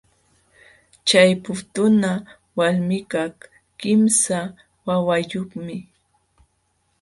Chay putuuna walmikaq kimsa wawiyuqmi.